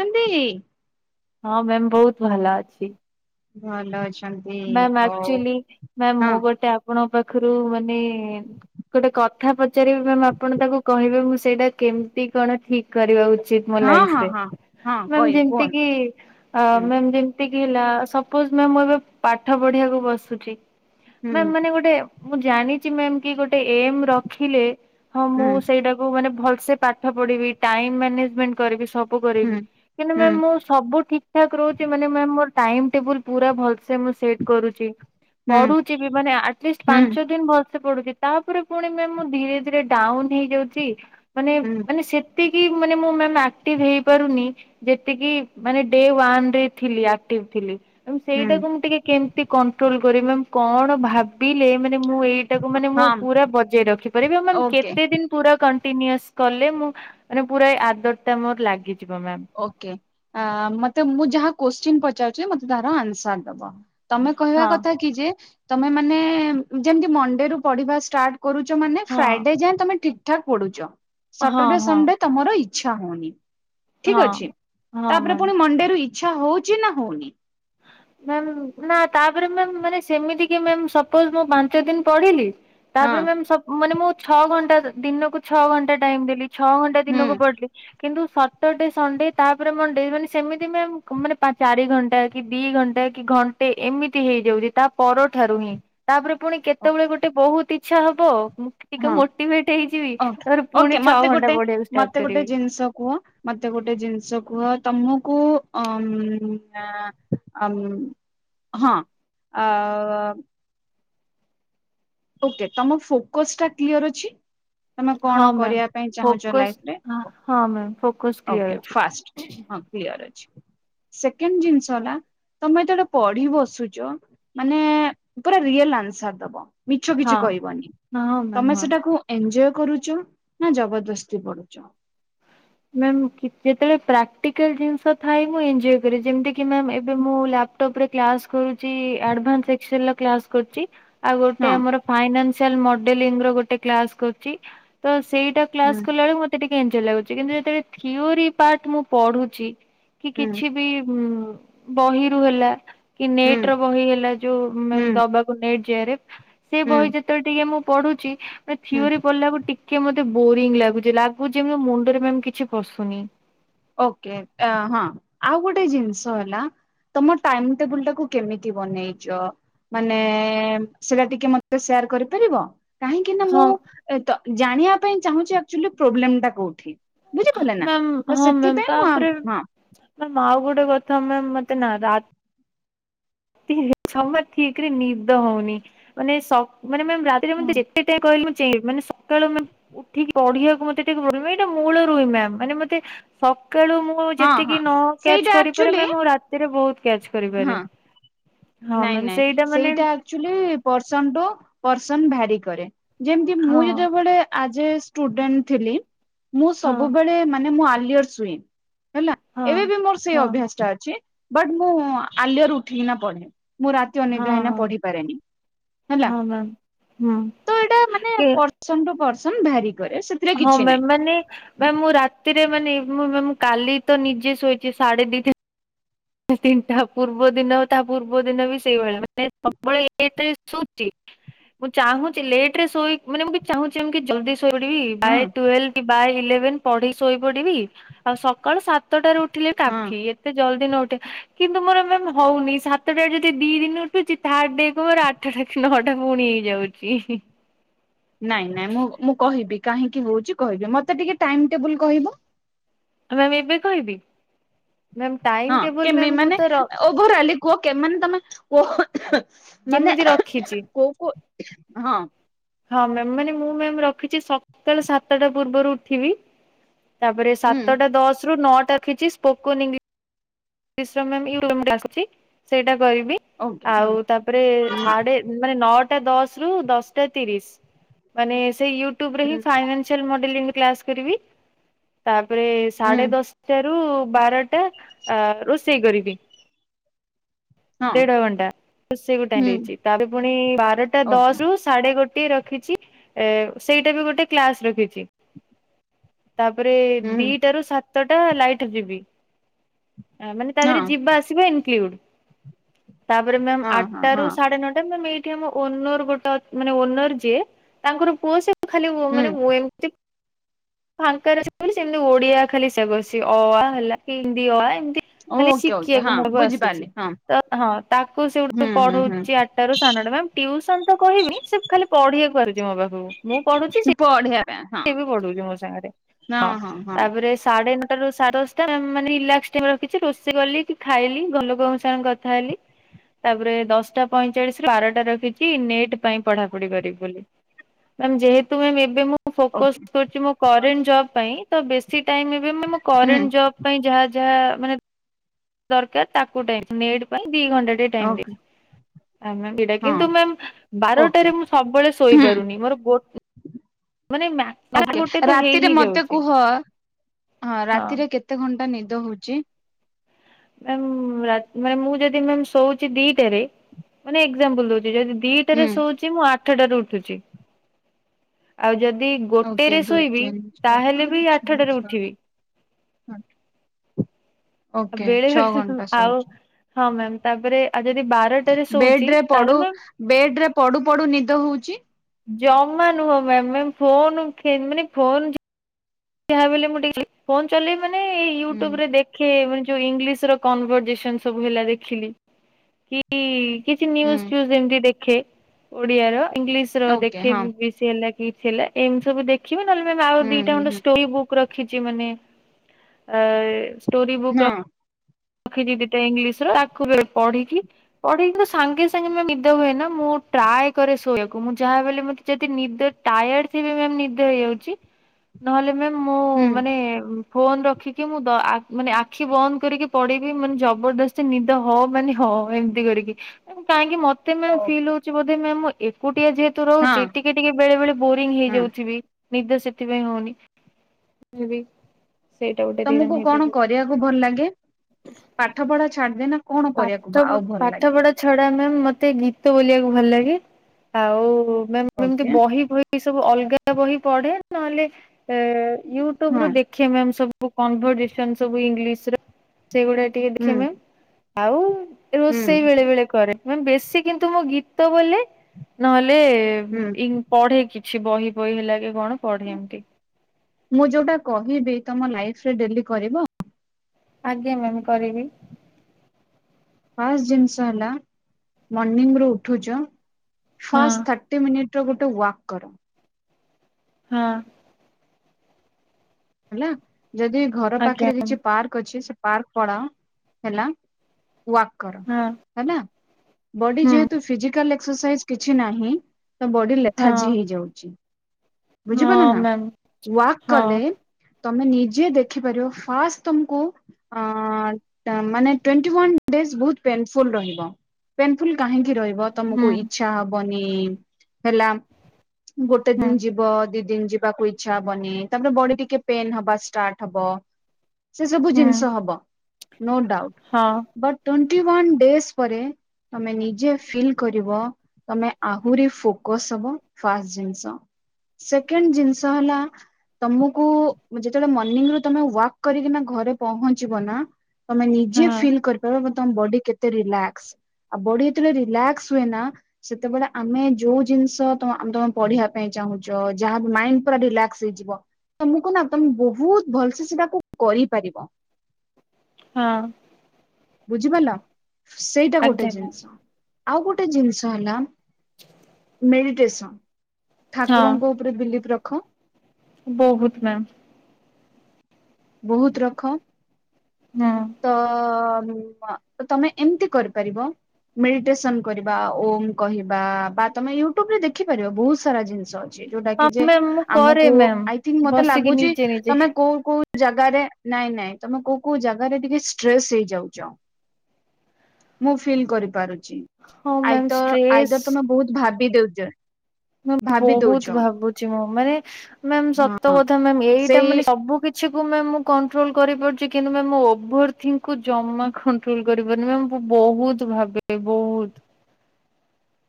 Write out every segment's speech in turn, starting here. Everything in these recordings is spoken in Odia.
[unintelligible] ନ୍ତି। ହଁ ମ୍ୟାମ୍ ବହୁତ ଭଲ ଅଛି। ଭଲ ଅଛନ୍ତି ମାମ ହଉ ଆକ୍ଚୁଲି ମ୍ୟାମ ହଁ ମୁଁ ଗୋଟେ ଆ ଆପଣଙ୍କ ପାଖରୁ ମାନେ ଗୋଟେ କଥା ପଚାରିବି ମ୍ୟାମ ଆପଣ ତାକୁ କହିବେ ମୁଁ ସେଇଟା କେମତି କଣ ଠିକ କରିବା ଉଚିତ ମୋ ହଁ ଲାଇଫ ହଁ ରେ ହଁ। ହଁ ମାମ କହି ଯେମତି କି କୁହନ୍ତୁ ଅ ମାମ ଯେମତି ହେଲା ସପୋଜ ମାମ ମୁ ଏବେ ପାଠ ପଢିବାକୁ ବସୁଛି। ହୁଁ ମାମ ମାନେ ଗୋଟେ ମୁଁ ଜାଣିଛି ମ କି ଗୋଟେ ଏମ ରଖିଲେ। ହଁ ହୁଁ ମୁଁ ସେଇଟାକୁ ମାନେ ଭଲସେ ପାଠ ପଢିବି ଟାଇମ ମାନେଜମେଣ୍ଟ କରିବି ସବୁ କରିବି ହୁଁ କିନ୍ତୁ ହୁଁ ମାମ ମୁଁ ସବୁ ଠିକ ଠାକ ରହୁଛି ମାନେ ମାମ ଟାଇମ୍ ଟେବୁଲ୍ ପୁରା ଭଲ ସେ ସେ ମୁଁ ସେଟ କରୁଛି ହୁଁ ପଢୁଛି ବି ମାନେ ଆଟଲିଷ୍ଟ ହୁଁ ହୁଁ। ପାଞ୍ଚ ଦିନ ଭ ପଡୁଛି ତାପରେ ପୁଣି ମ ମୁ ଧୀରେ ଧୀରେ ଡାଉନ ହେଇଯାଉଛି ମାନେ ହୁଁ ମାନେ ସେ ଯେତିକି ମୁ ମାନେ ମୁ ମାମ ଆକ୍ଟିଭ ହେଇପାରୁନି ଯେତିକି ମାନେ ଡେ ୱାନ ରେ ଥିଲି ଆକ୍ଟିଭ ଥିଲି ମ ହୁଁ ସେଇଟାକୁ ମୁଁ ଟିକେ କେମତି କଣ୍ଟ୍ରୋଲ କରିବ ମ୍ୟାମ କଣ ଭାବିଲେ ମାନେ ମୁଁ ଏଇ ତାକୁ ମାନେ ମୁଁ ହଁ ପୁରା ବଜେଇ ରଖିପାରିବି ଆ ଓକେ କେତେ ଦିନ ପୁରା କଣ୍ଟିନିଅସ କଲେ ମୁ ମାନେ ପୁରା ଆଦତ ଟା ମର ଲାଗିଯିବ ମ୍ୟାମ। ଓକେ ମତେ ମୁଁ ଯାହା କୋଶ୍ଚିନ୍ ପଚାରୁଛି ମତେ ତାର ଆନ୍ସର ଦବ। ତମେ କହିବା ହଁ କଥା କି ଯେ ତମେ ମାନେ ଯେମତି ମଣ୍ଡେ ରୁୁ ପଢିବା ଷ୍ଟାର୍ଟ କରୁଛ ମାନେ ହଁ ଫ୍ରାଇଡେ ଯାଏଁ ତମେ ଠିକ ଠାକ ପଢୁଛ ହଁ ସାଟରଡେ ହଁ ସଣ୍ଡେ ତମର ଇଚ୍ଛା ହଉନି। ହଁ ଠିକ ଅଛି ହଁ ତାପରେ ମ୍ୟାମ୍। ପୁଣି ମଣ୍ଡେରୁ ଇଚ୍ଛା ହଉଛି ନା ହଉନି। ମାମ ନା ତାପରେ ମାମ ମାନେ ସେମିତି କି ମାମ ସପୋଜ୍ ମୁଁ ପାଞ୍ଚ ଦିନ ପଢିଲି। ହଁ ତାପରେ ମାମ ମ ମାନେ ମୁଁ ଛଅ ଘଣ୍ଟା ଦିନକୁ ଛଅ ଘଣ୍ଟା ଟାଇମ ଦେଲି ଛଅ ଘଣ୍ଟା ଦିନକୁ ହୁଁ ପଡିଲି। କିନ୍ତୁ ସଟରଡେ ସଣ୍ଡେ ତାପରେ ମଣ୍ଡେ ମାନେ ସେମିତି ବି ମାନେ ଚାରି ଘଣ୍ଟା କି କି ଦି ଘଣ୍ଟା କି ଘଣ୍ଟେ ଏମିତି ହେଇଯାଉଛି ତା ପରଠାରୁ ହିଁ ତାପରେ ପୁଣି କେତେବେଳେ ଗୋଟେ ବହୁତ ଇଚ୍ଛା ହବ। ହଁ ଟିକେ ମୋଟିଭେଟ ହେଇଯିବି ଓକେ ତାପରେ ଓକେ ପୁଣି ଛଅ ମତେ ଗୋଟେ ଘଣ୍ଟା ପଢିବାକୁ ମତେ ଷ୍ଟାର୍ଟ ଗୋଟେ କରିବି। ଜିନିଷ କୁହ। ମତେ ଗୋଟେ ଜିନିଷ କୁହ ତମକୁ ଅ ନା ଆମ ହଁ ଆ। ଓକେ ତମ ଫୋକସ ଟା କ୍ଲିୟର ଅଛି। ତମେ କଣ ହଁ ମ୍ୟାମ୍ କରିବା ପାଇଁ ଚାହୁଁଛ ଫୋକସ୍ ଲାଇଫରେ ହଁ ମ୍ୟାମ୍ ଫୋକସ୍ କ୍ଲିୟର ଓକେ ଅଛି ଫାଷ୍ଟ। ହଁ କ୍ଲିଅର ଅଛି ସେକେଣ୍ଡ ଜିନିଷ ହେଲା। ତମେ ଏତେ ଗଟେ ପଢି ବସୁଛ ମାନେ ପୁରା ରିଅଲ ଆନ୍ସର ଦବ। ମିଛ ହଁ କିଛି କହିବନି ହଁ ମ୍ୟାମ୍ ତମେ ହଁ। ସେଟାକୁ ଏନଞ୍ଜୟ କରୁଛ ନା ଜବରଦସ୍ତି ପଢୁଛ। ମ୍ୟାମ୍ ଯେତେବେଳେ ପ୍ରାକ୍ଟିକାଲ ଜିନିଷ ଥାଏ ମୁଁ ଏନ୍ଜଏ କରେ ଯେମିତି ମ ଏବେଁ ଲା ଟପ୍ ରେ କ୍ଲାସ କରଛି ଆଡଭାନ୍ସ ଏକ୍ସେଲର କ୍ଲାସ କରୁଛି। ଆଉ ଗୋଟେ ହଁ ଆମର ଫାଇନାନ୍ସିଆଲ ମଡେଲିଂ ର ଗୋଟେ କ୍ଲାସ କରୁଛି ତ ସେଇଟା ହୁଁ କ୍ଲାସ୍ କଲାବେକୁ ମତେ ଟିକେ ଏଜର ଲାଗୁଛି କିନ୍ତୁ ଯେତେବେଳେ ଥିଓରି ପାର୍ଟ ମୁଁ ପଢୁଛି। କି ହୁଁ କିଛି ବି ବହିରୁ ହେଲା। କି ହୁଁ ନେଟ ର ବହି ହେଲା ଯୋଉ ହୁଁ ଦବାକୁ ନେଟ୍ ଯଆରେ ସେ ହୁଁ ବହି ଯ ଯେତେବେଳେ ଟିକେ ମୁଁ ପଢୁଛି ହୁଁ ଥିଓରି ପଢିଲାକୁ ଟିକେ ମତେ ବୋରିଙ୍ଗ ଲାଗୁଛି ଲାଗୁଛି ମୁଣ [unintelligible] କିଛି ପଶୁନି। ଓକେ ହଁ ଆଉ ଗୋଟେ ଜିନିଷ ହେଲା। ତମ ଟାଇମ ଟେବୁଲ ଟାକୁୁ କେମିତି ବନେଇଛ। ମାନେ ସେଟା ଟିକେ ମତେ ସେୟାର କରିପାରିବ କାହିଁକି ନା ହଁ। ଏ ତ ଜାଣିବା ପାଇଁ ଚାହୁଁଛି ଆଚୁଆଲି ପ୍ରୋବ୍ଲେମ ଟା କୋଉଠି? ବୁଝିପାରିଲେ ନା ତ ମ୍ୟାମ ସେଥିପାଇଁ ମୁଁ ତାପରେ ହଁ ମାମ ଆଉ ଗୋଟେ କଥା ମାମ ମତେ ନା ରା ସମୟ ଠିକ ରେ ନିଦଦ ହଉନି ମାନେ ମାନେ ମ୍ୟାମ ରାତି ହଁ ଯେମିଟି ଯେତେ ଟେ କହିଲି ମୁଁ ଚେଇବି ମାନେ ସ ସକାଳୁ ଉଠିକି ପଢିବାକୁ ମତେ ଟିକେ ଏଇଟା ମୂଳ ରୁହ ମ ମାନେ ମତେ ସକାଳୁ ମୁଁ ହଁ ଯେତିକି ହଁ ନ କ୍ୟାଚ ସେଇଟା କରିପାରେ ଆକ୍ଚୁଆଲି ମ୍ୟାମ ରାତିରେ ବହୁତ କ୍ୟାଚ ହଁ କରିପାରେ। ହଁ ନାଇଁ ମ୍ୟାମ୍ ନାଇଁ ମାନେ ସେଇଟା ଆକଚୁଆଲି ପେରସନ ଟୁ ପେରସନ ଭାରି କରେ ଯେମତି ହଁ ମୁଁ ଯେତବେଳେ ଆ ସୁଡେଣ୍ଟ ଥିଲ ମୁଁ ହଁ ସବୁବେଳେ ମାନେ ସୁଏ। ହେଲା ହଁ ଏବେ ବି ମୋର ସେଇ ହଁ ଅଭ୍ୟାସ ଟା ଅଛି ବଟ ମୁଁ ଆଲୟରୁ ଉଠିକି ନା ପଢେ ମୁଁ ରାତି ହଁ ଅନିଦ୍ରା ହେଇକିନା ହଁ। ପଢିପାରେନି ହେଲା ହଁ ମ୍ୟାମ୍ ହୁଁ ତ ଏଇଟା ମାନେ କି ପ ପରସନ ଟୁ ପରସନ ଭାରି କରେ ସେ ହଁ ମ୍ୟାାମ ମାନେ ମ୍ୟାମ ମୁଁ ରାତିରେ ମାନେ ମ-ମ କାଲି ତ ନିଜେ ଶୋଇଛି ସାଢେ ଦି ଟା ପୂର୍ବ ଦିନ ତା ପୂର୍ବ ଦିନ ବି ସେଇଭଳିଆ ମାନେ ପ୍ରବଳ ଲେଟ ରେ ଶଉଚି। ମୁଁ ଚାହୁଁଛି ଲେଟରେ ଶୋଇ ମାନେ ମୁଁ ଚାହୁଁଛି କି ଜଲଦି ଶୋଇପଡ଼ିବି ହଁ ବାଏ ଟୁହେଲ କି ବାଏ ଇଲେଭେନ ପଢ଼ିକି ଶୋଇ ପଢିବି ଆଉ ସକାଳୁ ସତଟା ରୁ ଉଠି ଥିଲେ ହଁ। କାଖି ଏତେ ଜଲଦି ନ ଉଠେ କିନ୍ତୁ ମୋର ମ୍ୟାମ ହଉନି ସାତଟା ଯଦି ଦି ଦିନ ଉଠୁଛି ଥାଡ ଡେ କ ରାତି [inaudible] ନଅଟା ପୁଣି ହେଇଯାଉଛି। ନାଇଁ ନାଇଁ ମୁଁ ମୁଁ କହିବି କାହିଁକି ହୋଉଛି କହିବି ମତେ ଟିକେ ଟାଇମ ଟେବୁଲ କହିବ। ମ୍ୟାମ୍ ଏବେ କହିବି? ମାମ ଟାଇମ ଟେବୁଲ୍‌ ମୁଁ ତ ଓଭର ଆଲି କୁହ କେ ମାନେ ତମେ କୁହ ମାନେ କେମିତି ରଖିଛି କ କ ହଁ। ହଁ ମ୍ୟାମ୍ ମାନେ ମୁଁ ମ୍ୟାାମ ରଖିଛି ସକାଳ ସାତଟା ପୂର୍ବରୁ ଉଠିବି। ତାପରେ ହୁଁ ସାତଟା ଦଶ ରୁ ନଅଟା ରଖିଛି ସ୍ପୋକନ ଇଂଲି ଶ୍ର ମ୍ୟାମ ସେଇଟା କରିବି ଓକେ ହଁ ଆଉ ତାପରେ ହୁଁ ଥାର୍ଡ ମାନେ ନଅଟା ଦଶ ରୁ ଦଶଟା ତିରିଶ ମାନେ ସେଇ ୟୁଟ୍ୟୁବରେ ହିଁ ହୁଁ ଫାଇନାନ୍ସ ଚାଲ ମଡେଲିଙ୍ଗରେ କ୍ଲାସ କରିବି। ତାପରେ ହୁଁ ସାଢେ ଦ ଦଶ ଟାରୁ ବାରଟା ଆ ରୋଷେଇ କରିବି। ହଁ ଦେଢ ଘଣ୍ଟା ରୋଷେଇକୁ ଟାଇମ୍ ହୁଁ ଦେଇଛି। ତାପରେ ପୁଣି ବାରଟା ଓକେ ଦଶରୁ ସାଢେ ଗୋଟେ ରଖିଛି ଏ ସେଇଟା ବି ଗୋଟେ କ୍ଳାସ ରଖିଛି। ତାପରେ ହୁଁ ଦିଟା ରୁ ସାତଟା ଲାଇଟ୍ ଯିବି। ମାନେ ତା ହଁ ଦେହରେ ଯିବା ଆସିବା ଇନକ୍ଲୁଡ। ତାପରେ ମ୍ୟାମ୍ ହଁ ହଁ ଆଠଟା ରୁ ହଁ ସାଢେ ନଅଟା ମ୍ୟାମ ଏଇ ଠି ଆମ ଓନର ଗୋଟେ ଅ ମାନେ ଓନର ଯିଏ ତାଙ୍କର ପୁଅ ସେ ଖାଲି ହୁଁ ମାନେ ମୁ ଏମତି ଫାଙ୍କାରେ ଅଛି ବୋଲି ସେମିତି ଓଡିଆ ଖାଲି ସୋଗ ଅଛି ଅ ହେଲା କି ହିନ୍ଦୀ ଅ ଆ ଏମତି ଖାଲି ଓକେ ଓକେ ଶିଖିବାକୁ ହଁ ମୁ ପାଖକୁ ବୁଝିପାରିଲି ଆସୁଛି। ହଁ ତ ହଁ ତାକୁ ହୁଁ ସେଠୁ ହୁଁ ହୁଁ ପଢ଼ୋଉଛି ଆଠ ସାଢେ଼ ନଅଟା ମ୍ୟାମ କହିବିନି ସେ ଖାଲି ପଢିବାକୁ ଆଉଛି ମୋ ପାଖକୁ ମୁଁ ପଢୁଛି ସେ ପଢ଼ିବା ପାଈଁ ସେ ବି ପଢୁଛି ମୋ ସାଙ୍ଗରେ। ହଁ ତାପରେ ସାଢେ ନଅଟାରୁ ସାଢେ଼ ଦସ୍ ତା ମାନେ ରିଲାକ୍ସ ଟାଇମ୍ ରଖିଛି ରୋଷେଇ କଲି କି ଖାଇଲି ଘର ଲୋକଙ୍କ ସାଙ୍ଗେ କଥା ହେଲି। ତାପରେ ଦଶଟା ପଇଁଚାଳିଶରୁ ବାରଟା ରଖିଛି ନେଟ୍ ପାଇଁ ପଢାପଢି କରିବି ବୋଲି। ମ୍ୟାମ ଯେହେତୁ ମାମ ଏବେ ମୁଁ ମୁଁ ଓକେ ଫୋକସ୍ କରୁଛି ମୋ କରେଣ୍ଟ ଜବ୍ ପାଇଁ ତ ବେଶୀ ଟାଇମ୍ ଏବେ ମୁ ମୋ ହୁଁ କରେଣ୍ଟ ଜବ୍ ପାଇଁ ଯାହା ଯାହା ମାନେ ଦରକାର ତାକୁ ଟାଇ ନେଟ ପାଇଁ ଦି ଘଣ୍ଟା ଟେ ଟାଇମ ଓକେ ଦେଇଚି। ଆଜ୍ଞା ମାମ ସେଟା ହଁ କିନ୍ତୁ ମ୍ୟାମ ଓକେ ବାରଟାରେ ମୁଁ ସବୁବେଳେ ହୁଁ ଶୋଇପାରୁନି ମୋର ଗୋ ମାନେ ମ୍ୟା ଓକେ ଗୋଟେ ତ ହେଇ ରାତିରେ ହିଁ ମତେ ଯାଉଛି କୁହ ହଁ ହଁ। ରାତିରେ କେତେ କେତେ ଘଣ୍ଟା ନିଦ ହୋଉଛି? ମ୍ୟାମ ରା ମାନେ ମୁଁ ଯଦି ଶୋଉଛି ଦିଟାରେ ମାନେ ଏଗଜାମ୍ପୂଲ୍ ଦୋଉଛି ଯଦ୍ ହୁଁ ଦିଟାରେ ଶୋଉଛି ମୁଁ ଆଠଟାରେ ଉଠୁଛି। ଆଉ ଯଦି ଓକେ ଗୋଟେରେ ଦୁଇ ଶୋଇବି ତିନି ତାହେଲେ ବି ଆଠଟାରେ ଉଠିବି। ଆଠ ଓକେ ବେଳେ ଛଅ ବେଳେ ଘଣ୍ଟା ଆଉ ଶୋଉଚ। ହଁ ମ୍ୟାମ୍ ତାପରେ ଆଉ ଯଦି ବାର ବେଡରେ ପଡୁ ବେଡ ରେ ପଡୁ ପଡୁ ନିଦ ହୋଉଛି? ଯମା ନୁହଁ ମ୍ୟାମ ମାନେ ଫୋନ ଖେ ମାନେ ଫୋନ ଯାହାବିହେଲେ ମୁଁ ଟିକ ଫୋନ ଚଲେଇବି ମାନେ ଏଇ ହୁଁ ୟୁଟ୍ୟୁବରେ ଦେଖ୍ କେ ମାନେ ଯୋଉ ଇଂଲିଶର କନଭରଜେସନ ସବୁ ହେଲା ଦେଖିଲି କି କିଛି ହୁଁ ନ୍ୟୁଜ୍ ଫ୍ୟୁଜ ଏମିତି ଦେଖେ ଓଡିଆର ଇଂଲିଶର ଓକେ ଦେଖେ ହଁ କି ହେଲା କିଛି ହେ ଏମତି ସବୁ ଦେଖିବି ନହେଲେ ଆଉ ହୁଁ ଦିଟା ହୁଁ ହୁଁ ଖଣ୍ଡ ଷ୍ଟୋରୀ ବୁକ୍ ରଖିଛି ମାନେ ଷ୍ଟୋରୀ ବୁକ୍ ହଁ ଖିଚି ଦିଟା ଇଂଲିଶର ତାକୁ ପଢିକି ପଢିକି ସାଙ୍ଗେ ସାଙ୍ଗେ ନିଦ ହୁଏ ନା ମୁଁ ଟ୍ରାଏ କରେ ଶୋଇବାକୁ ମୁଁ ଯାହା ବିହେଲେ ମତେ ଯଦି ନିଦ ଟାୟାର୍ଡ ଥିବି ମାମ ନିଦ ହେଇଯାଉଛି। ହଁ [inaudible] ନହେଲେ ମାମ୍ ମୁଁ ମାନେ ଫୋନ ରଖିକି ମୁଁ ଦ ଆ ମାନେ ଆଖି ବନ୍ଦ କରିକି ପଡିବି ମାନେ ଜବରଦସ୍ତି ନିଦ ହ ମାନେ ହଉ ଏମିତି କରିକି ମାମ କାହିଁକି ମତେ ମତେ ମ୍ୟାମ ଫିଲ୍ ଓକେ ହଉଛି ବୋଧେ ମ୍ୟାମ ମୁଁ ଏକୁଟିଆ ଯେହେତୁ ହଁ ରହୁଛି ଟିକେ ଟିକେ ବେଳେ ବେଳେ ବୋରିଙ୍ଗ ହଁ ହେଇଯାଉଛି। ନିଦ ସେଥିପାଇଁ ହଉନି ଫିରବୀ ସେଇଟା ଗୋଟେ ତମକୁ [unintelligible] କଣ ହେଇପାରେ। କରିବାକୁ ଭଲ ଲାଗେ ପାଠ ପଢା ଛାଡିଦେ ନା କଣ କରିବାକୁ ପାଠ ଆଉ ଭଲ ପାଠ ଲାଗେ? ପଢା ଛଡା ମ୍ୟାମ ମତେ ଗୀତ ବୋଲିବାକୁ ଭଲ ଲାଗେ ଆଉ ମ୍ୟାମ ଏମତି ଓକେ ବହି ଫହି ଏ ସବୁ ଅଲଗା ବହି ପଢେ ନହେଲେ ୟୁଟ୍ୟୁବ ରୁ ହଁ ଦେ ଖେ ସବୁ କନଭରସେସନ ଇଂଲିଶ୍ ର। ସେଗୁଡା ଟିକେ ହୁଁ ଦେଖେ ମ୍ୟାମ ଆଉ ହୁଁ ରୋଷେଇ ବେଳେ ବେଳେ କରେ। ବେଶୀ କିନ୍ତୁ ମୋ ଗୀତ ବୋଲେ ନହେଲେ ହୁଁ ଇ ପଢେ କିଛି ବହି ଫହି ହେଲା କି କଣ ପଢେ ଏମତି। ମୁଁ ଯୋଉଟା କହିବି ତମ ଲାଇଫ ରେ ଡେଲି କରିବ? ଆଜ୍ଞା ମ୍ୟାମ କରିବି। ଫାଷ୍ଟ ଜିନିଷ ହେଲା ମର୍ଣିଂରୁ ଉଠୁଛ ହଁ ଫାଷ୍ଟ ଥାର୍ଟି ମିନିଟ ଗୋଟେ ୱାକ୍ କର। ହଁ। ହେଲା ଯଦି ଘର ଆଜ୍ଞା ପାଖରେ ମ୍ୟାମ୍ କିଛି ପାର୍କ ଅଛି ସେ ପାର୍କ ପଳାଅ ହେଲା ୱାକ କର। ହଁ। ହେଲା ବଡି ହୁଁ ଯେହେତୁ ଫିଜିକାଲ ଏକ୍ସରସାଇଜ କିଛି ନାହିଁ ତମ ବଡି ହଁ ଲେଖାଜି ହେଇଯାଉଛି ବୁଝିପାରିଲ ହଁ ନା ମ୍ୟାମ୍ ୱାକ୍ ହଁ କଲେ ତମେ ନିଜେ ଦେଖିପାରିବ ଫାଷ୍ଟ ତମକୁ ଆଃ ମାନେ ଟ୍ୱେନ୍ତି ୱାନ ଡେ଼ଏସ ବହୁତ ପେନ ଫୁଲ ରହିବ। ପେନଫୁଲ କାହିଁକି ରହିବ ତମକୁ ହୁଁ। ଇଛା ହବନି ହେଲା। ଗୋଟେ ହୁଁ ଦିନ ଯିବ ଦି ଦିନ ଯିବାକୁ ଇଚ୍ଛା ହ ବନି ତାପରେ ବଡି ଟିକେ ପେନ୍ ହବା ଷ୍ଟାର୍ଟ ହବ ସେ ସବୁ ହୁଁ ଜିନିଷ ହବ ନୋ ଡାଉଟ। ହଁ ବଟ ଟୋଣ୍ଟି ୱାନ ଡେଜ ପରେ ତମେ ନିଜେ ଫିଲ୍ କରିବ। ତମେ ଆହୁରି ଫୋକସ ହବ ଫାଷ୍ଟ ଜିନିଷ। ସେକେଣ୍ଡ ଜିନିଷ ହେଲା ତମକୁ ଯେତେବେଳେ ମର୍ଂ ରୁ ତମେ ୱାକ୍ କରିକିନା ଘରେ ପହଞ୍ଚିବ ନା ତମେ ହଁ ନିଜେ ଫିଲ୍ କରି ବଡି କେତେ ରିଲାକ୍ସ ଆଉ ବ ଯେତେବେଳେ ରିଲାକ୍ସ ହୁଏ ନା ସେତେବେଳେ ଆମେ ଯୋଉ ଜିନିଷ ତମେ ପଢିବା ପାଇଁ ଚାହୁଁଛ ଯାହା ମାଇଣ୍ଡ ପୁର ରିଲାକ୍ସ ହେଇଯିବ। ତମକୁ ନା ତମେ ବହୁତ ଭଲସେ ସେଟାକୁ କରିପାରିବ। ହଁ। ବୁଝିପାରିଲ ସେଇଟା ଗୋଟେ ଆଜ୍ଞା ମ୍ୟାମ୍ ଜିନିଷ ଆଉ ଗୋଟେ ଜିନିଷ ହେଲା। ମେଡିଟେସନ ହଁ ଠାକୁରଙ୍କ ଉପରେ ବିଲିଫ ରଖ। ବହୁତ ମ୍ୟାମ୍। ବହୁତ ରଖ। ହଁ। ତ ତମେ ଏମିତି କରିପାରିବ। ମେଡିଟେସନ କରିବା ଓମ୍ କହିବା ବା ତମେ ୟୁଟ୍ୟୁବ ରେ ଦେଖିପାରିବ ବହୁତ ସାରା ଜିନିଷ ଅ ଯୋଉଟା କି ହଁ ଯେ ମ୍ୟାମ୍ ମୁଁ କରେ ଆମକୁ ମ୍ୟାମ୍ ଆଇ ଥିଙ୍କ ମତେ ବସିକି ଲାଗୁଛି ନିଜେ ନିଜେ ତମେ କୋଉ କୋଉ ଜାଗାରେ ନାଇଁ ନାଇଁ ତମେ କୋଉ କୋଉ ଜାଗାରେ ଟିକେ ଷ୍ଟ୍ରେସ୍ ହେଇଯାଉଛ। ମୁଁ ଫିଲ୍ କରିପାରୁଛି ହଁ ଆଇ ମ୍ୟାମ୍ ତ ଆଇ ଷ୍ଟ୍ରେସ୍ ତର ତମେ ବହୁତ ଭାବି ଦଉଛ। ଭାବି ଦଉଛ ବହୁତ ଭାବୁଛି ମୁଁ ମାନେ ମ୍ୟାମ ହଁ ସତ କଥା ମ ଏଇଟା ସେଇ ମାନେ ସବୁ କି କିଛିକୁ ମ୍ୟାମ ମୁଁ କଟ୍ରୋଲ କରିପାରୁଛି କିନ୍ତୁ ମଭର୍ ଥିଙ୍କ୍ ଜମା କ କଣ୍ଟ୍ରୋଲ କରିପାରୁନି ମ୍ୟାମ ବହୁତ ଭାବେ ବହୁତ।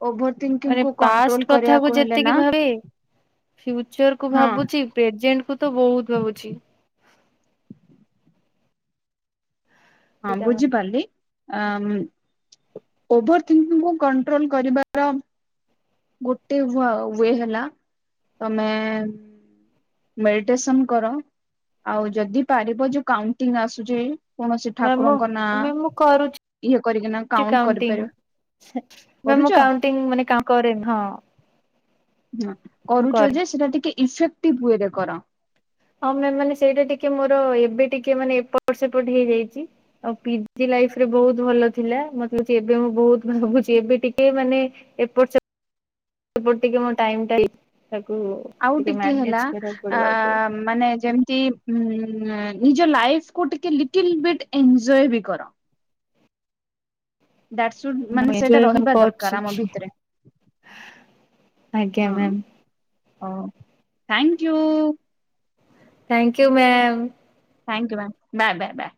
ଓଭୋର ଥୀଙ୍କ ମାନେ ପାଷ୍ଟ କଥାକୁ ଯେତିକି ଭାବେ ଫୁଚର କୁ ହଁ ଭାବୁଛି ପ୍ରେଜେଣ୍ଟ କୁ ତ ବହୁତ ଭାବୁଛି। ହଁ ଏଇଟା ବୁଝିପାରିଲି, ଅ ଓଭର ଥିଙ୍କୀଙ୍ଗ କୁ କଣ୍ଟ୍ରୋଲ କରିବା ଗୋଟେ ୱା-ୱେଏ ହେଲା ତମେ ମେଡିଟେସନ କର ଆଉ ଯଦି ପାରିବ ଯୋଉ କାଉଣ୍ଟିଙ୍ଗ ଆସୁଛି କୌଣସି ମ୍ୟାମ୍ ମୁଁ ଠାକୁରଙ୍କ ନାଁ ମ୍ୟାମ୍ ମୁଁ କରୁଛି ଇଏ କରିକି ନା କାଉଣ୍ଟ କରିପାରିବ। ମ୍ୟାମ କରୁଛ ମୁଁ କାଉଣ୍ଟିଙ୍ଗ ମାନେ କ-କରି ହଁ। ହଁ ମୁଁ କରୁଛ କରେ। ଯେ ସେଟା ଟିକେ ଇଫେକ୍ଟିଭ ହୁଏରେ କର। ହଁ ମ୍ୟାମ ମାନେ ସେଇଟା ଟିକେ ମୋର ଏବେ ଟିକେ ମାନେ ଏପଟ ସେପଟ ହେଇଯାଇଛି। ଆଉ ପିଜି ଲାଇଫରେ ବହୁତ ଭଲ ଥିଲା ମତେ କଛି ଏବେ ମୁଁ ବହୁତ ଭାବୁଛି ଏବେ ଟିକେ ମାନେ ଏପର ସେ ସେପଟ ଟିକେ ମୋ ଟାଇମଟା ତାକୁ ଆଉ ଟିକେ ହେଲା ମ୍ୟାନେଜ କରିବାକୁ ଆ ପଡିବ ଆଉ ଟିକେ। ମାନେ ଯେମତି ଉଁ ନିଜ ଲାଇଫକୁ ଟିକେ ଲିଟ ବିଟ୍ ଏନଜୟ ବି କର। ଦ୍ୟାଟସୁଡ୍ ମାନେ ମୁଁ ସେଇଟା [unintelligible] ରହିବା ଦରକାର ଆମ କରଛି। ଭିତରେ। ଆଜ୍ଞା ma'am. Oh thank you. Thank you ma'am. Thank you ma'am bye bye bye.